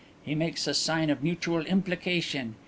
He makes a sign of mutual implication.